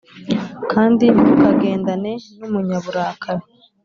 kandi ntukagendane n’umunyaburakari,